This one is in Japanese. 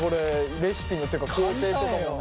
レシピっていうか工程とかもね。